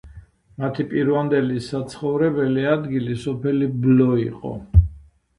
მათი პირვანდელი საცხოვრებელი ადგილი სოფელი ბლო იყო.